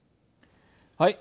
はい。